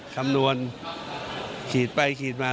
ท่านบุคคลาสมัคร